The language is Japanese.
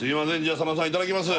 あさのさんいただきます